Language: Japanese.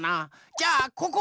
じゃあここ！